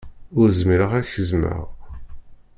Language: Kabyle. Ur zmireɣ ad k-zzmeɣ.